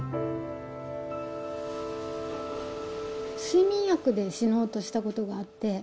睡眠薬で死のうとしたことがあって。